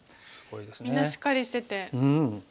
みんなしっかりしてて。